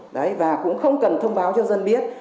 đấy và cũng không cần thông báo cho dân biết